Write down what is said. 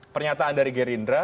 pernyataan dari gerindra